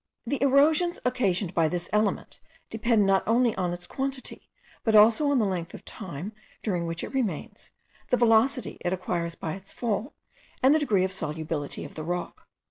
The erosions occasioned by this element depend not only on its quantity, but also on the length of time during which it remains, the velocity it acquires by its fall, and the degree of solubility of the rock.